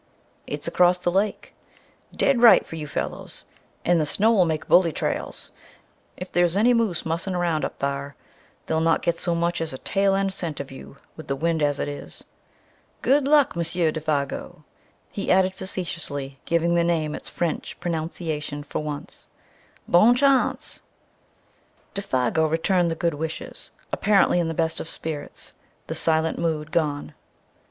"It's across the lake dead right for you fellers. And the snow'll make bully trails! If there's any moose mussing around up thar, they'll not get so much as a tail end scent of you with the wind as it is. Good luck, Monsieur Défago!" he added, facetiously giving the name its French pronunciation for once, "bonne chance!" Défago returned the good wishes, apparently in the best of spirits, the silent mood gone.